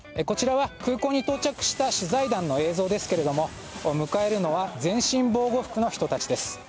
こちらは、空港に到着した取材団の映像ですが迎えるのは全身防護服の人たちです。